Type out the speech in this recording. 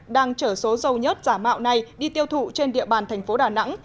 đang chở số dầu nhất giả mạo này đi tiêu thụ trên địa bàn thành phố đà nẵng